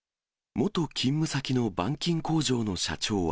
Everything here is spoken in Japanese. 元勤務先の板金工場の社長は。